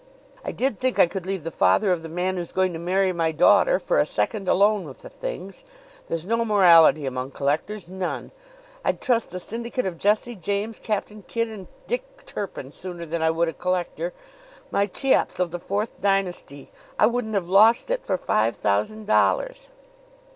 I did think I could leave the father of the man who's going to marry my daughter for a second alone with the things. There's no morality among collectors none! I'd trust a syndicate of Jesse James, Captain Kidd and Dick Turpin sooner than I would a collector. My Cheops of the Fourth Dynasty! I wouldn't have lost it for five thousand dollars!"